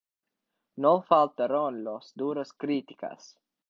No faltaron las duras críticas.